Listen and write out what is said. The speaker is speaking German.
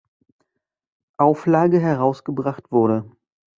Auflage herausgebracht wurde.